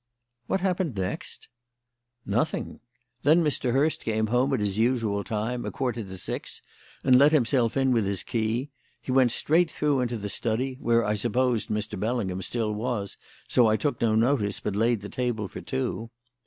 "What happened next?" "Nothing. Then Mr. Hurst came home at his usual time a quarter to six and let himself in with his key. He went straight through into the study, where I supposed Mr. Bellingham still was, so I took no notice, but laid the table for two.